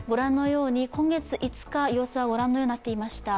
今月５日はご覧のようになっていました。